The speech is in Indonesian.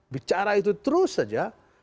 bicara itu terus saja